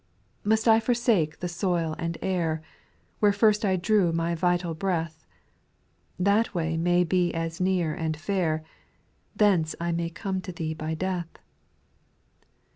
8. Must I forsake the soil and air, Where first I drew my vital breath ? That way may be as near and fair ; Thence I may come to Thee by death.